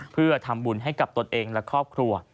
เพื่อทำบุญให้กับตนเองและครอบครัว